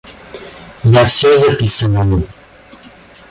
Я всё записываю.